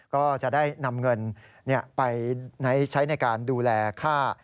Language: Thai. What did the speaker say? ก็จะได้นำเงินไปใช้ในการดูแลค่า